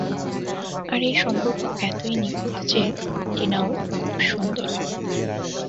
আর এই সম্পর্ক এতই নিখুঁত যে, টিনাও খুব সুন্দর।